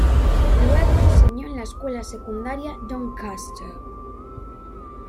Luego enseñó en la escuela secundaria Doncaster.